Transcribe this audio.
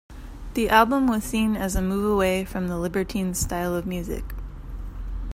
The album was seen as a move away from The Libertines' style of music.